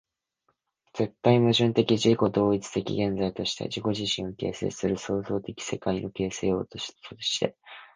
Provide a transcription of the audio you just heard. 絶対矛盾的自己同一的現在として、自己自身を形成する創造的世界の形成要素として、